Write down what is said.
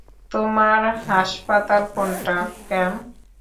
তোমার হাসপাতাল কোনটা, ক্যাম?